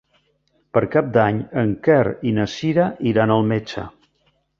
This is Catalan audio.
Per Cap d'Any en Quer i na Cira iran al metge.